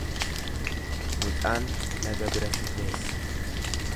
Mucaan laga bira sirreessa.